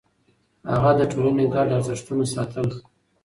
هغه د ټولنې ګډ ارزښتونه ساتل.